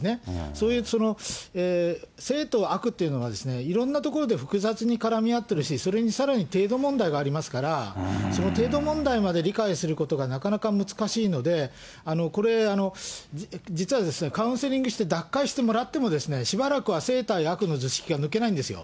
そういう正と悪というのがいろんなところで複雑に絡み合ってるし、それにさらに程度問題がありますから、その程度問題まで理解することがなかなか難しいので、これ、実はカウンセリングして脱会してもらっても、しばらくは正対悪の図式が抜けないんですよ。